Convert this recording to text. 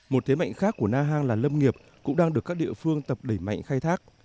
một thế mạnh khác của na hang là lâm nghiệp cũng đang được các địa phương tập đẩy mạnh khai thác